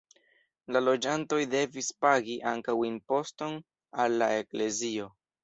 La loĝantoj devis pagi ankaŭ imposton al la eklezio.